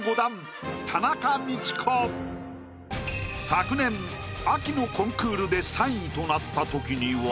昨年秋のコンクールで３位となった時には。